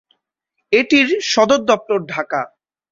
এটির সদরদপ্তর ঢাকা।